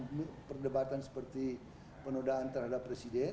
ada yang mungkin perdebatan seperti penodaan terhadap presiden